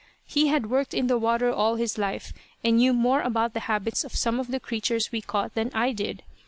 He had worked in the water all his life, and knew more about the habits of some of the creatures we caught than I did.